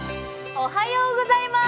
おはようございます。